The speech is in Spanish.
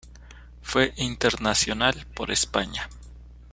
Fue internacional por España.